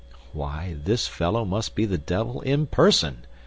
"Why, this fellow must be the devil in person!"